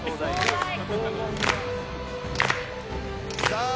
さあ